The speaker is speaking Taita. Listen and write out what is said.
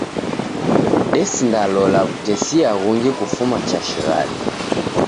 Desindalola w'utesia ghungi kufuma cha shighadi.